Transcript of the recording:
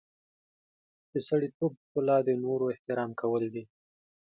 د سړیتوب ښکلا د نورو احترام کول دي.